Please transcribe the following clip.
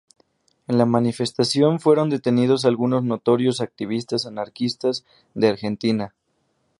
En la manifestación fueron detenidos algunos notorios activistas anarquistas de Argentina.